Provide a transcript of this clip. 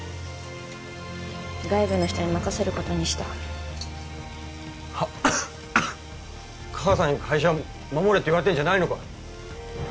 外部の人に任せることにした母さんに会社守れって言われてんじゃないのか？